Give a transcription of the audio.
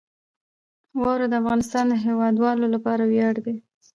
واوره د افغانستان د هیوادوالو لپاره ویاړ دی.